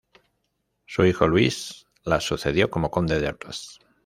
Su hijo Luis la sucedió como conde de Artois.